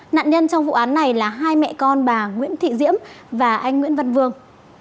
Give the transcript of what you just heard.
nạn nhân trong vụ án này là hai mẹ con bà nguyễn thị diễm và anh nguyễn văn vương